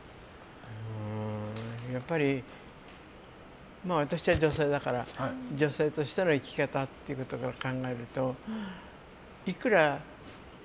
やっぱり私は女性だから女性としての生き方っていうのを考えると、いくら。